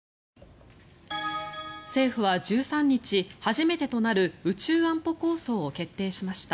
政府は１３日初めてとなる宇宙安保構想を決定しました。